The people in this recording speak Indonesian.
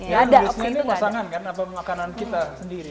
ya harusnya ini masangan kan apa makanan kita sendiri